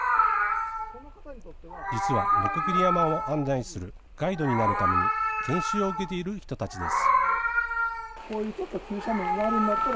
実は鋸山を案内するガイドになるために、研修を受けている人たちです。